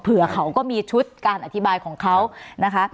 เขาก็มีชุดการอธิบายของเขานะคะ